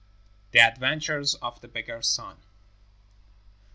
THE ADVENTURES OF THE BEGGAR'S SON.